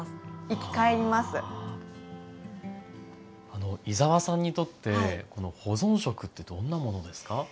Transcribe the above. あの井澤さんにとって保存食ってどんなものですか？